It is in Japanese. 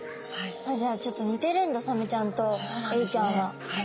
じゃあちょっと似てるんだサメちゃんとエイちゃんは。